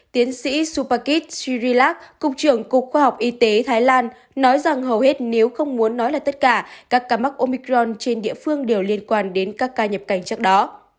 tiến sĩ supakit syrilak cục trưởng cục khoa học y tế thái lan nói rằng hầu hết nếu không muốn nói là tất cả các ca mắc omicron trên địa phương đều liên quan đến các ca nhập cảnh trước đó